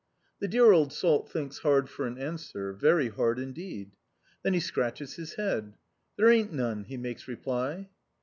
The dear old salt thinks hard for an answer, very hard indeed. Then he scratches his head. "There ain't none!" he makes reply.